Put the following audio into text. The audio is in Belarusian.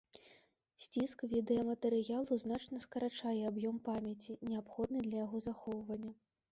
Сціск відэаматэрыялу значна скарачае аб'ём памяці, неабходны для яго захоўвання.